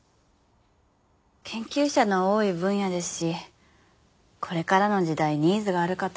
研究者の多い分野ですしこれからの時代ニーズがあるかというと。